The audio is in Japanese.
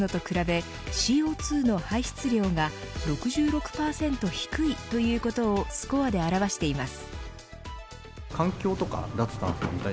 新品のレザーで作るのと比べＣＯ２の排出量が６６％低いということをスコアで表しています。